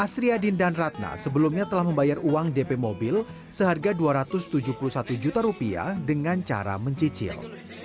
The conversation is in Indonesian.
asri adin dan ratna sebelumnya telah membayar uang dp mobil seharga dua ratus tujuh puluh satu juta rupiah dengan cara mencicil